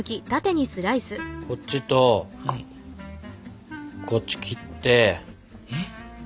こっちとこっち切って。